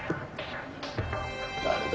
誰だ？